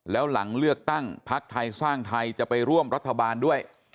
แล้วหลังเลือกตั้งพักไทยสร้างไทยจะไปร่วมรัฐบาลด้วย